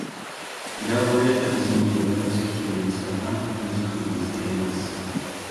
Gap bu yerda bizning yevropacha kiyimga nisbatan injiqligimizda emas.